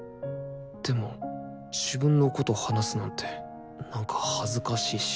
でも自分のこと話すなんてなんか恥ずかしいし。